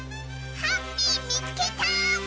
ハッピーみつけた！